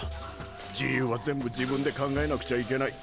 自由は全部自分で考えなくちゃいけない。